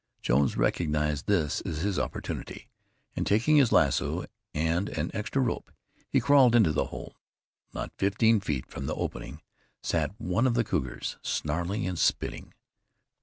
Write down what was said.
Jones recognized this as his opportunity, and taking his lasso and an extra rope, he crawled into the hole. Not fifteen feet from the opening sat one of the cougars, snarling and spitting.